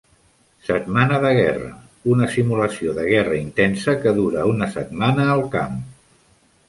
Setmana de Guerra: Una simulació de guerra intensa que dura una setmana al camp.